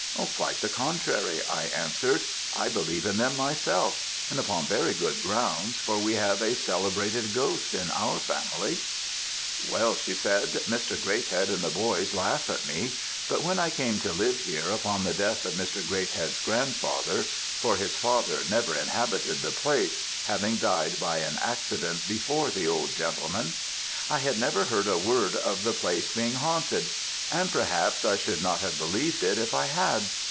"'Quite the contrary,' I answered; 'I believe in them myself, and upon very good grounds, for we have a celebrated ghost in our family.' "'Well,' she said, 'Mr. Greathead and the boys laugh at me; but when I came to live here, upon the death of Mr. Greathead's grandfather, for his father never inhabited the place, having died by an accident before the old gentleman, I had never heard a word of the place being haunted; and, perhaps, I should not have believed it if I had.